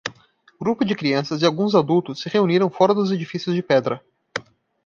Grupo de crianças e alguns adultos se reuniram fora dos edifícios de pedra.